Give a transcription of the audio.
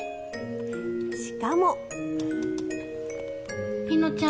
しかも。